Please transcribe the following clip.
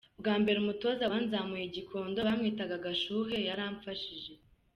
Bwa mbere umutoza wanzamuye i Gikondo, bamwitaga Gashuhe yaramfashije.